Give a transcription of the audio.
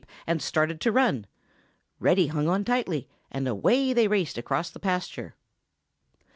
cried the sheep and started to run. Reddy hung on tightly, and away they raced across the pasture.